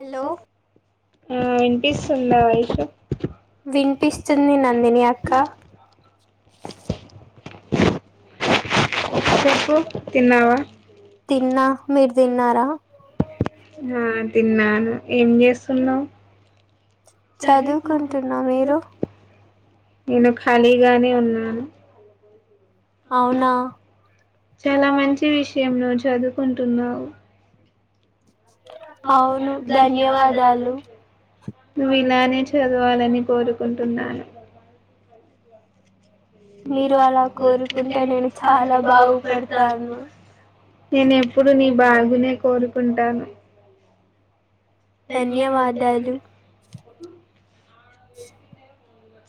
Hello విన్పిస్తుంద వినిపిస్తుంది నందిని అక్క ష్ కు తిన్నావా తిన్నా మీరు తిన్నారా ఉమ్ న ఎం చే సున్నా చదువుకుంటున్నా మీరు నేను ఖాలీగానే ఉ అవునా చాలా మంచి విషయం రో చదువుకుంటున్నావు అవును ధన్యవాదాలు నువ్వు ఇలానే చదవాలని కోరుకుంటున్నాను మీరు అలా కోరుకుంటే నేను చాలా బాగుపడతాను నేను ఎప్పుడు నీ బాగునే కోరుకు ఉంటాను ధన్యవాదాలు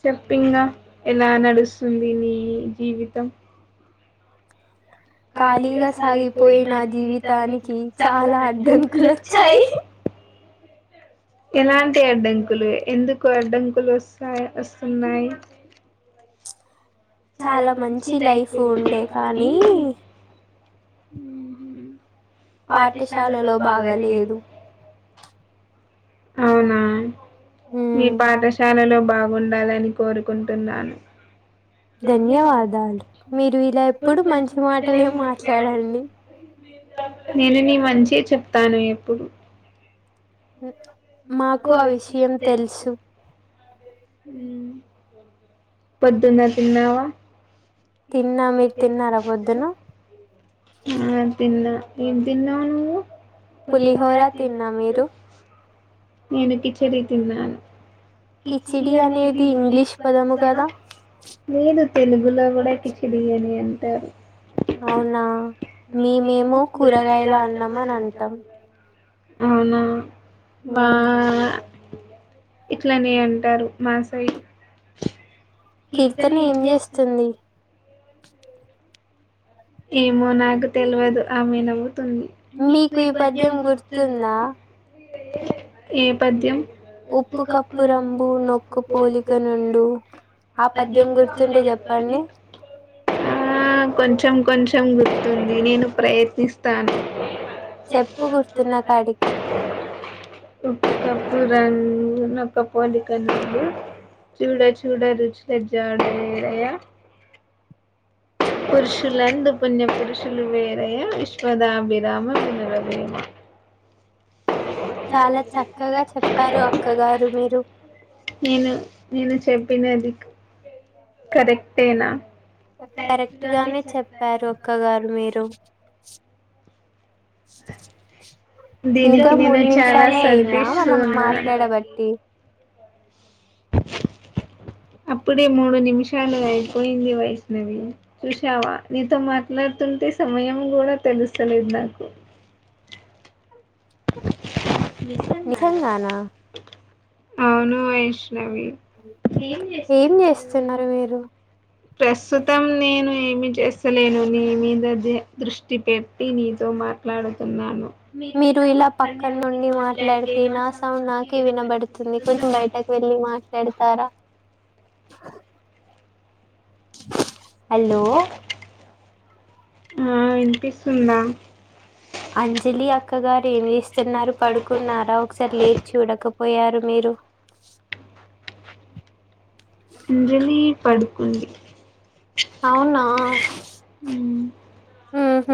చెప్పింగా ఎలా నడుస్తుంది నీ జీవితం ఖాళీగా సాగిపోయి నా జీవితానికి చాలా అడ్డంకులు వచ్చాయి ఎలాంటి అడ్డంకులు ఎందుకు అడ్డంకులు వస్తాయి వస్తున్నాయి చాలా మంచి లైఫ్ ఉండే కానీ ఉ పాఠశాలలో బాగా లేదు. అవునా ఈ పాఠశాలలో బా ఉండాలని కోరుకుంటున్నాను. ధన్యవాదాలు, మీరు ఇలా ఎప్పుడు మంచి మాటలే మాట్లాడండి. నేను నీ మంచే చెప్తాను ఎప్పుడు. అ మాకు ఆ విషయం తెల్సు. మ్ పొద్దున్న తిన్నావా? ఆ తిన్నా. ఏం తిన్నావు నువ్వు? పులిహోరా తిన్నా. మీరు? నేను ఇప్పిచ్చేది తిన్నాను. కిచిడి అనేది ఇంగ్లీష్ పదము గదా? లేదు. తెలుగులో గుడా కిచిడీ అనే అంటారు. అవునా, మేమేమో కూరగాయల అన్నం అని అంటాం. అవునా మా అ ఇట్లనే అంటారు. మాసై కీర్తన ఏం జేస్తుంది? ఏమో నాగ్ తెల్వదు. ఆమెనవు మీకు ఈ పద్యం గుర్తుందా? ఏ పద్యం? ఆ కొంచెం కొంచెం గుర్తుంది, నేను ప్రయత్నిస్తాను. చెప్పు గర్తున్నకాడికి. ఉప్పు కప్పురంగ్ నొక్క పోలిక నుండు, చూడ చూడ రుచుల జాడ వేరయా. పురుషులందు పుణ్య పురుషులు వేరే విశ్వ త్వాదామి వినుర వేమ అ నేను నేను చెప్పినది కరెక్టేనా కరెక్ట్గానే చెప్పారు అక్క గారు మీరు ఇంకా మూడు నిమిషాలే అయిందా మనం మాట్లాడబట్టి అప్పుడే మూడు నిమిషం చాలు అయిపొయింది వైష్ణవి చుషవా నీతో మా నా తుంటే సమయం కూడా తెలుస్తలేదు నాకు విసర్నాలు అవును ఎస్ కృష్ణవి ప్రస్తుతం నేను ఏమి చేస్తలేను నీ మీద ద దృష్టి పెట్టి నీతో మాట్లాడుతున్నాను మీరు ఇలా పక్కన నుండి మాట్లాడితే నా సౌండ్ నాకే వినబడుతుంది కొంచెం బయటకు వెళ్ళి మాట్లాడతారా హాలో ఆ వినిపిస్థ్ సున్నా అంజలి అక్కగారు ఏం చేస్తున్నారు పడుకున్నారా ఒకసారి లేచి చూడకపోయారు మీరు అంజలి పడుకుంది అవునా హుహ్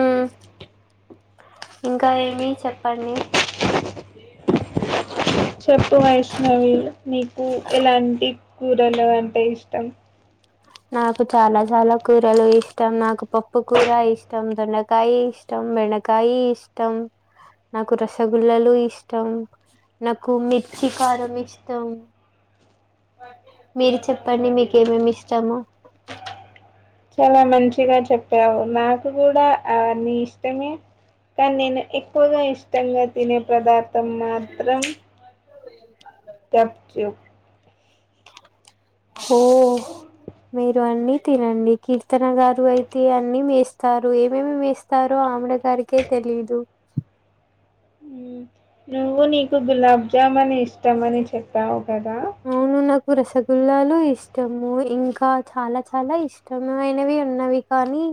ఇంకా ఏమి చెప్పండి చెప్పు వైష్ణవి నీకు ఎలాంటి కూరలు అంటే ఇష్ టమ్ నాకు చాలా చాలా కూరలు ఇష్టం నాకు పప్పు కూర ఇష్టం దొండకాయ ఇష్టం బెండకాయ ఇష్టం నాకు రసగుల్లలు ఇష్టం నాకు మిర్చి కారం ఇష్టం మీరు చెప్పండి మీకేమేమి ఇష్టము చాల మంచిగా చెప్పావు నాకు కూడా ఆ నీ ఇష్టమే కానీ నేను ఎక్కువగా ఇష్టంగా తినే పదార్థం మాత్రం తచూ ఓ మీరు అన్ని తినండి కీర్తన గారు అయితే అన్ని వేస్తారు ఏమేమి వేస్తా స్తారో ఆవిడ గారికే తెలీదు నువ్వు నీ గులాబ్ జామున్ ఇష్టం అని చెప్ప కదా చాలా ఇష్ట ఉ కానీ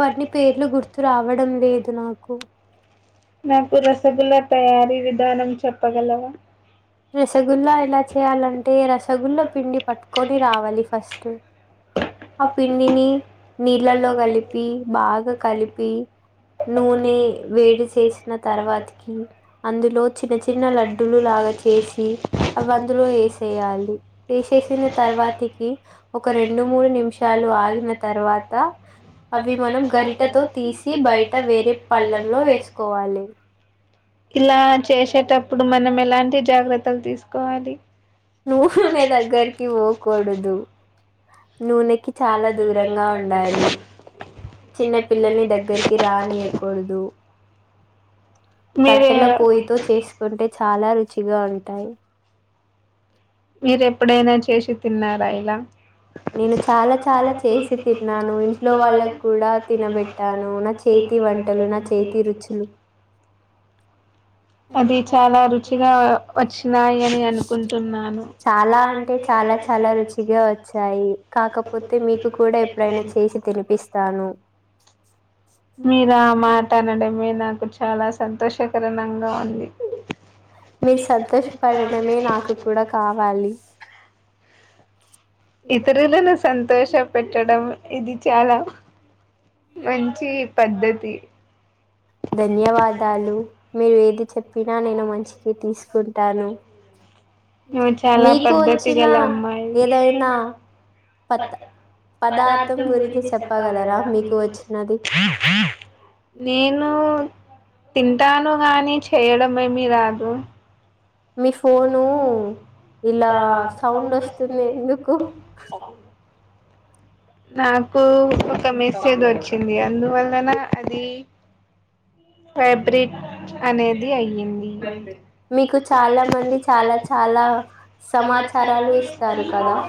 వాటి పేర్లు గుర్తు రావడం లేదు నాకు రసగుల తయారీ విధానం చెప్పగలవా రసగుల్లా ఎలా చేయాలంటే రసగుల్ల పిండి పట్టుకొని రావాలి ఫస్ట్ ఆ పిండిని నీళ్ళలో కలిపి బాగా కలిపి నూనె వేడి చేసిన తర్వాతికి అందులో చిన్న చిన్న లడ్డులు లాగా చేసి అవిందులో వేసేయాలి వేసేసిన తర్వాతికి ఒక రెండు ఆలిన తర్వాత అవి మనం గరిటతో తీసి బయట వేరే పళ్ళెంలో వేసుకోవాలి ఇలా చేసట ఇప్పుడు మనం ఎలాంటి జాగ్రత్తలు తీసుకోవాలి నూనెనే దగ్గరికి పోకూడదు నూనెకి చాలా దూరంగా ఉండాలి చిన్న పిల్లల్ని దగ్గరికి రానియకూడదు కట్టెల పొయ్యితో చేసుకుంటే చాలా రుచిగా ఉంటాయి మీరు ఎప్పుడైనా చేసి తిన్నారా ఇలా నేను చాలా చాలా చేసి తిన్నాను ఇంట్లో వాళ్ళకు కూడా తినబెట్టాను నా చేతి వంటలు నా చేతి రుచులు అది చాలా రుచిగా వచ్చినాయి అని అనుకుంటున్నాను చాలా అంటే చాలా చాలా రుచిగా కాకపోతే మీకు కూడా ఇట్లా తీసుకెళ్ళి తీసుకురండి మీరు ఆ మాట అనడం నాకు చాలా సంతోషకరమైన మీరు సంతోషపడడమే నాకు కూడా కావాలి ఇతరులను సంత సంతోష పెట్టడం ఇది చాలా మంచి పద్ధతి న్యాలు చె ను చాలా పధతి గల అమ్మాయిైనా పదార్థం గురించి చెప్పగలరా మీకు వచ్చి నేను ను తింటానుగాని చేయడం ఏమి రాదు మీ ఫోను ఇలా సౌండ్ వస్తంది ఎందుకు నాకు ఒక మెసేజ్ వచ్చింది అందువలన అది ఫేబ్రిట్ అనేది అయ్యి మీకు చాలా మంది చాలా చాలా సమాచారాలు ఇస్తారు కదా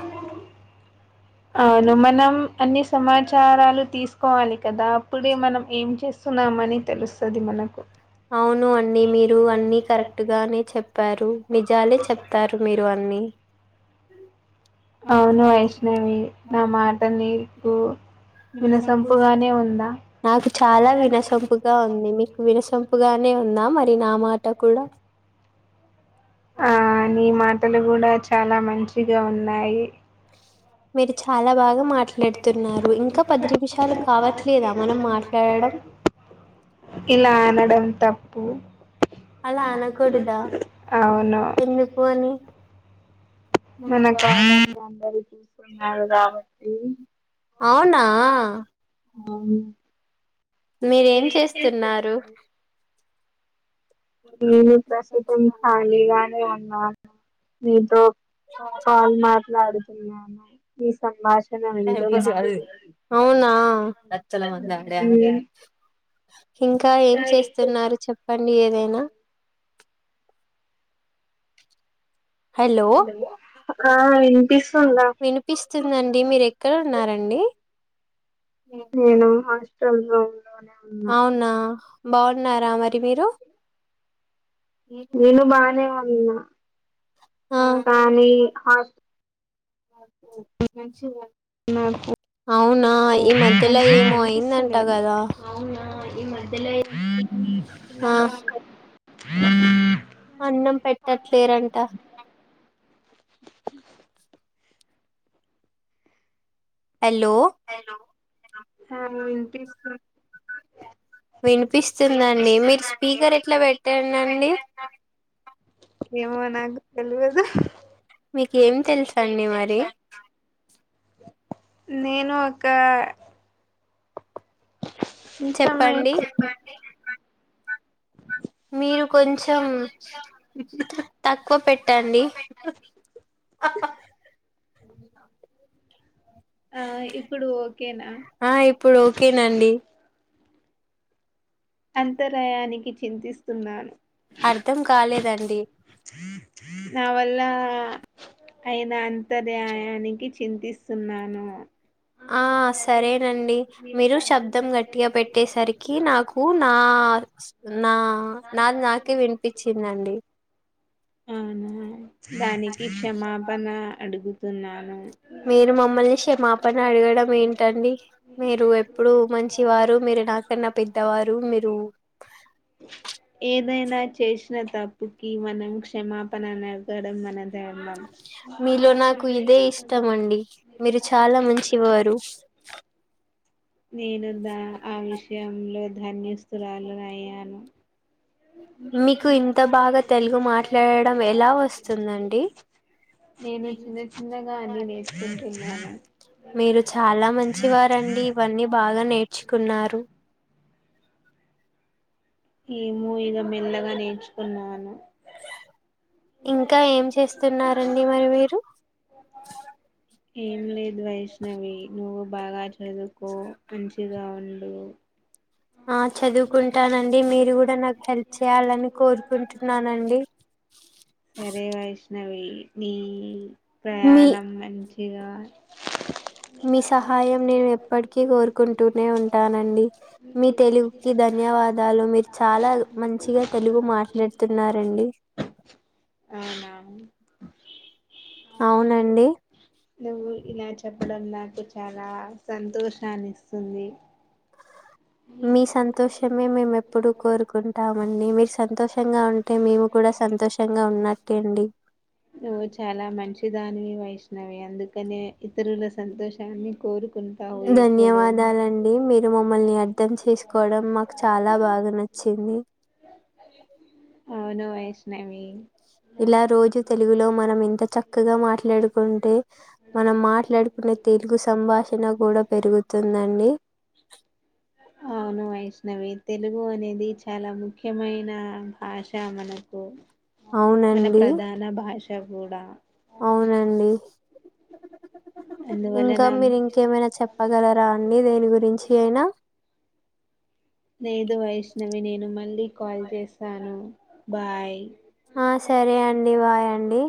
అవును మన అన్ని సమాచార తీసుకోవాలి కదా అప్పుడే మనం ఏం చేస్త సున్నామని తెలుస్తుంది మనకు అవును అరుప్ప నిజ చెప్ప అవును వైష్ణవి నా మాట నకు వినసంపుగానే ఉందా నాకు చాలా వినసంపుగా ఉ తప్పుగానే ఉందా మరి నా మాట కూడా ఆ నీ మా లు కూడా చాలా మంచిగా ఉన్నాయి మీరు చాలా బాగా మాట్డుతు ఇంకావ ఇలా అనడం తప్పు ప్పు అలా అనకూడదా ఎందుకు అని మన కష్టలు అందరు చూసున్నారు కాబట్టి మీరేం చేస్తున్నారు నను ప్రస్తుతం ఖాలిగానే ఉ మీతో కాల్ మాట్లాడుతు ఆహా ఈ సంభాషా టైం పాస్ కాదు ఇది అవునా లచ్చల మంది ఆడేట ఇంకా ఏం చేస్తున్నారు చెప్పండి. లేదనా హలో వినిపిస్తుందండి మీరు ఎక్కడ ఉన్నారండి. నేను హాస్టల్ రూమ్ లోనే ఉన్నా బాగున్నారా మరి మీరు నేను బానే ఉన్న కానీ హ ఓ మంచిగా నాకు మంచిగా అనిపిస్తలేదు. అవునా ఈ మధ్యల ఆ [unintelligible] అన్నం పెట్టట్లేరంట. హలో వినిపిస్తుందండి. మీ స్పీకర్ ఎట్లా పెట్టానండి. ఏమో నాకు తెలువదు. నేను ఒక చెప్పండి. మీరు కొంచెం తక్కువ పెట్టండి. హహ అ [inaudible] ఆ ఇప్పుడు ఓకేనా ఆ ఇప్పుడు ఓకేనాండి. అంతరయానికి చింతిస్తున్నాను. మరియు [unintelligible] నా వల్ల అయినా అంతర్యాయానికి. చింతిస్తున్నాను. ఆ సరేనండి మీరు శబ్దం గట్టిగా పెట్టేసరికి నాకు, నా నా నాది నాకే వినిపించిందండి. అవునా దానికి క్షమాపణ అడుగు అడుగుతున్నాను. మీరు మమ్మల్ని క్షమాపణ అడగడం ఏంటండి మీరు ఎప్పుడు మంచివారు మీరు నాకన్నా పెద్దవారు మీరు ఏదైనా చేసిన తప్పుకి మనం క్షమాపణ అని అడగడం మన ధర్మం ఇస్తానండి మీరు చదవండి నేను దా ఆ విషయంలో ధాన్యోస్తురాలిని అయ్యాను మీకు ఇంత బాగా తెలుగు మాట్లాడడం ఎలా వస్తుందండి మీరు చాలా మంచివారండి ఇవన్నీ బాగా నేర్చుకున్నారు ఏమో ఇగ మెల్లగా నేర్చుకున్నాను ఇంకా ఏం చేస్తున్నారండి మరి మీరు ఏం లేదు వైష్ణవి నువ్వు బాగా చదువుకో మంచిగా ఉండు ఆ చదువుకుంటానండి మీరు కూడా నాకు హెల్ప్ చేయాలని కోరుకుంటున్నానండి సరే వైష్ణవి [unintelligible] మీ ప్రయాణం మంచిగా ఇగ మీ సహాయం నేను ఎప్పటికీ కోరుకుంటూనే ఉంటానండి మీ తెలుగుకి ధన్యవాదాలు మీరు చాలా మంచిగా తెలుగు మాట్లాడుతున్నారండి అవునా నువ్వు ఇలా చెప్ప డం నాకు చాలా సంతోషాన్నిస్తుంది మీ సంతోషమే మేము ఎప్పుడూ కోరుకుంటామండి మీరు సంతోషంగా ఉంటే మేము కూడా సంతోషంగా ఉన్నట్టే అండి దానివి వైష్ణవి అందుకని ఇతరుల సంతోషాన్ని కోరుకు ధన్యవాదాలండి మీరు మమ్మల్ని అ అర్థం చేసుకోవడం మాకు చాలా బాగా నచ్చింది అవును వైష్ణవి ఇలా రోజు తెలుగులో మనం ఇంత చక్కగా మాట్లాడుకుంటే మనం మాట్లాడుకునే తెలుగు సంభాషణ కూడా పెరుగుతుందండి అవును వైష్ ష్ణవి తెలుగు అనేది చాలా ముఖ్యమైన భాష మనకు మన ప్రధాన భాష [unintelligible] కూడా అవునువు ఇంకా మీరు ఇంకేమైనా చెప్పగలరా అండి దేని గురించి అయినా లేదు వైష్ణవి నేను మంది కాల్ చేసాను బాయ్ ఆ సరే అండి బాయండి